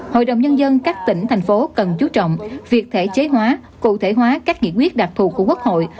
hội đồng nhân dân các tỉnh thành phố cần chú trọng việc thể chế hóa cụ thể hóa các nghị quyết đặc thù của quốc hội